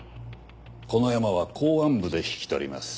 このヤマは公安部で引き取ります。